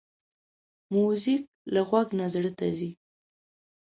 موزیک له غوږ نه زړه ته ځي.